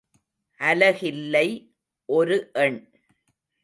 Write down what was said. அலகில்லை ஒரு எண்.